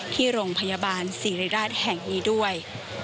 ที่โรงพยาบาลศิริราชแห่งนี้ด้วย